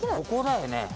ここだよね